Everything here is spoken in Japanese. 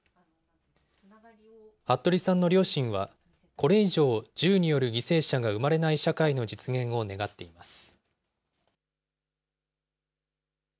服部さんの両親は、これ以上、銃による犠牲者が生まれない社会の実現を願っています。